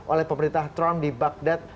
oleh pemerintah trump di bagdad